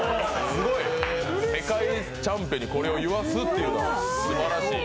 すごい、世界チャンピオンにこれを言わせるというのはすばらしい。